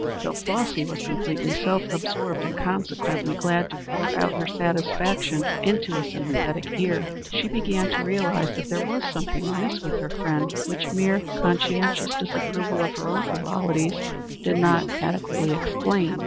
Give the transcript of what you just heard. Though Flossy was completely self absorbed, and consequently glad to pour out her satisfaction into a sympathetic ear, she began to realize that there was something amiss with her friend which mere conscientious disapproval of her own frivolities did not adequately explain.